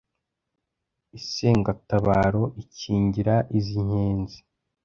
Isengatabaro ikingira iz’ inkenzi